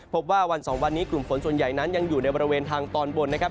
วันสองวันนี้กลุ่มฝนส่วนใหญ่นั้นยังอยู่ในบริเวณทางตอนบนนะครับ